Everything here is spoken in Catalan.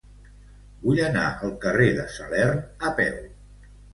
Vull anar al carrer de Salern a peu.